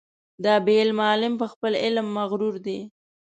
دا بې علمه عالم په خپل علم مغرور دی.